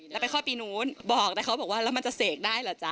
แล้วไปคลอดปีนู้นบอกแต่เขาบอกว่าแล้วมันจะเสกได้เหรอจ๊